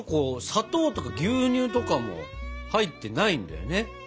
砂糖とか牛乳とかも入ってないんだよね。